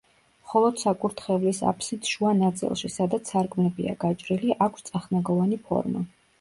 მხოლოდ საკურთხევლის აფსიდს შუა ნაწილში, სადაც სარკმლებია გაჭრილი, აქვს წახნაგოვანი ფორმა.